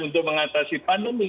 untuk mengatasi pandemi